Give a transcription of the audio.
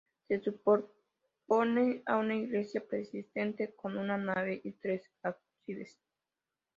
Se superpone a una iglesia preexistente con una nave y tres ábsides.